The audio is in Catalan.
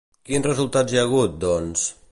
Quins resultats hi ha hagut, doncs?